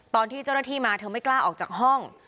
ตอนที่เจ้าหน้าที่มาเธอไม่กล้าออกจากห้อง